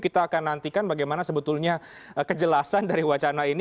kita akan nantikan bagaimana sebetulnya kejelasan dari wacana ini